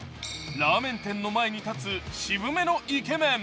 ラーメン店の前に立つ、渋めのイケメン。